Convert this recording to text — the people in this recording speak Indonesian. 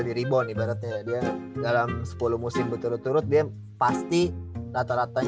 nih ya agak eevee meaning hadage id yang me hunting ke ciser dan harusnya dia malah burumi he is a cool man